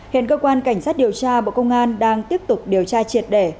hiện cơ quan cảnh sát điều tra bộ công an đang tiếp tục điều tra triệt để